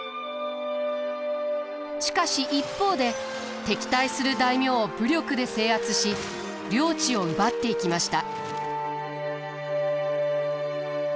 しかし一方で敵対する大名を武力で制圧し領地を奪っていきました。